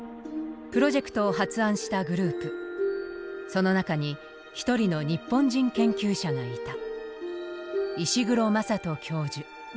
プロジェクトを発案したグループその中に一人の日本人研究者がいた。